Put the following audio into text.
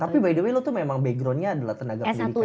tapi by the way lo tuh memang backgroundnya adalah tenaga pendidikan